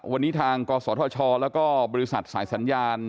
วันนี้ทางกศธชแล้วก็บริษัทสายสัญญาณ